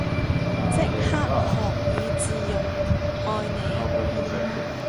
即刻學以致用，愛你